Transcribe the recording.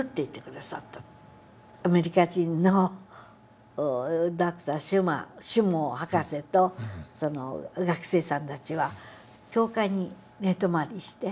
アメリカ人のシュモー博士とその学生さんたちは教会に寝泊まりして。